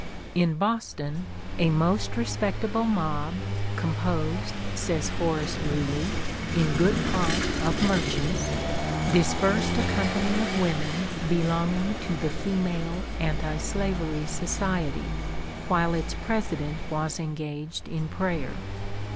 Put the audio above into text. In Boston, a "most respectable" mob, composed, says Horace Greeley, "in good part of merchants," dispersed a company of women belonging to the Female Anti Slavery Society, while its President was engaged in prayer.